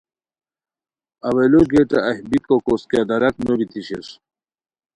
اوّلو گیٹہ اہی بیکو کوس کیہ داراک نو بیتی شیر